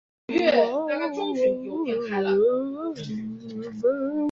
就是战国的齐桓公。